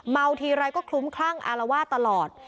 ทีไรก็คลุ้มคลั่งอารวาสตลอด